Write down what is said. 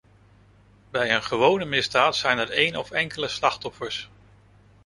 Bij een gewone misdaad zijn er één of enkele slachtoffers.